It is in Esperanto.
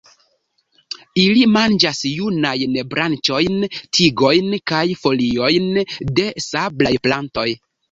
Ili manĝas junajn branĉojn, tigojn kaj foliojn de sablaj plantoj.